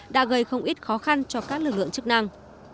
đã gây không ít khó khăn cho các lực lượng chức năng